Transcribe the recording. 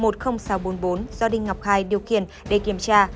do đinh ngọc khai điều khiển để kiểm tra